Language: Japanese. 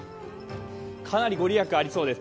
かなりご利益ありそうです。